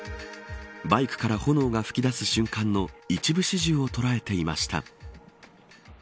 バイクから炎が噴き出す瞬間の一部始終を捉えていました。